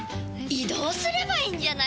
移動すればいいんじゃないですか？